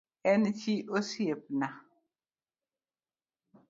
En chi osiepna